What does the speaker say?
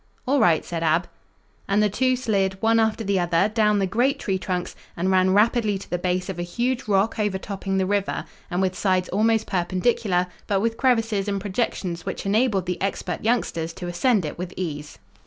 "All right," said Ab. And the two slid, one after the other, down the great tree trunks and ran rapidly to the base of a huge rock overtopping the river, and with sides almost perpendicular, but with crevices and projections which enabled the expert youngsters to ascend it with ease.